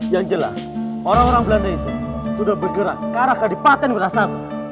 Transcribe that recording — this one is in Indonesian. yang jelas orang orang belanda itu sudah bergerak ke tadi paten wirasabah